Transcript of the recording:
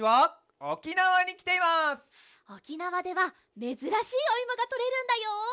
おきなわではめずらしいおいもがとれるんだよ！